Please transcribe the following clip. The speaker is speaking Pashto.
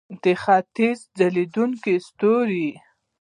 د ختیځ ځلیدونکی ستوری.